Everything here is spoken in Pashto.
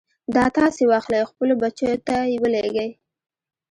دا تاسې واخلئ خپلو بچو ته يې ولېږئ.